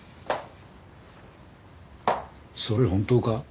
それ本当か？